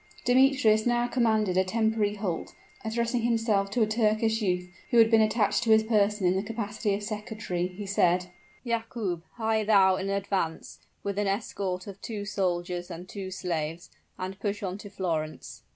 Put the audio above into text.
Demetrius now commanded a temporary halt; addressing himself to a Turkish youth, who had been attached to his person in the capacity of secretary, he said, "Yakoub, hie thou in advance, with an escort of two soldiers and two slaves, and push on to Florence.